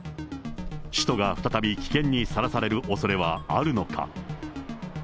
首都が再び危険にさらされる恐れはあるのか。